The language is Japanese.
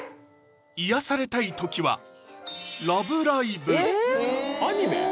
癒やされたい時は「ラブライブ！」